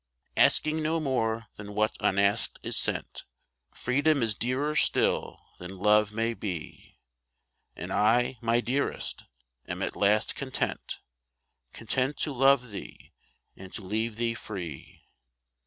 Asking no more than what unasked is sent ; Freedom is dearer still than love may be ; And I, my dearest, am at last content, Content to love thee and to leave thee free.